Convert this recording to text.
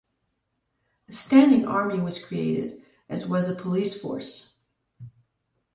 A standing army was created, as was a police force.